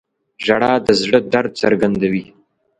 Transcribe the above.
• ژړا د زړه درد څرګندوي.